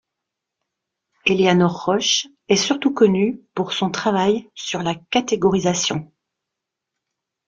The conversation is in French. Eleanor Rosch est surtout connue pour son travail sur la catégorisation.